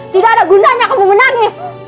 tidak ada gunanya kamu menangis